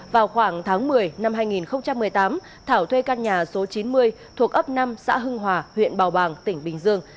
vào khoảng tháng một mươi năm hai nghìn một mươi tám thảo thuê căn nhà số chín mươi thuộc ấp năm xã hưng hòa huyện bảo bàng tỉnh bình dương